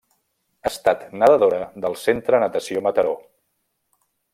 Ha estat nedadora del Centre Natació Mataró.